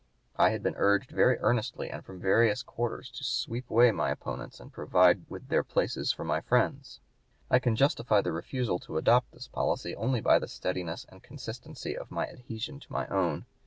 I had been urged very earnestly and from various quarters to sweep away my opponents and provide with their places for my friends. I can justify the refusal to adopt this policy only by the steadiness and consistency of my adhesion to my own.